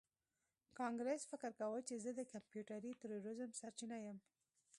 کانګرس فکر کاوه چې زه د کمپیوټري تروریزم سرچینه یم